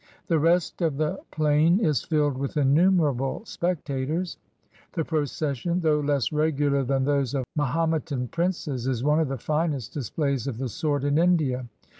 The rest of the plain is filled with innumerable spectators. The procession, though less regular than those of Mahometan princes, is one of the finest displays of the sort in India.